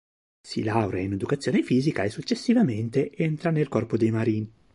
Si laurea in educazione fisica e successivamente entra nel corpo dei Marine.